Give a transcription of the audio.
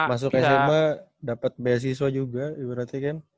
masuk sma dapet beasiswa juga berarti kan